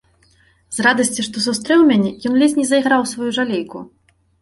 З радасці, што сустрэў мяне, ён ледзь не зайграў у сваю жалейку.